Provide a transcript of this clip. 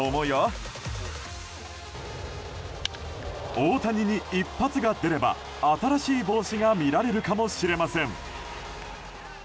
大谷に一発が出れば新しい帽子が見られるかもしれません。